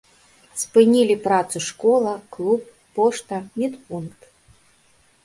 Спынілі працу школа, клуб, пошта, медпункт.